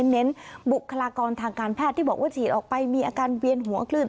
เน้นบุคลากรทางการแพทย์ที่บอกว่าฉีดออกไปมีอาการเวียนหัวคลื่น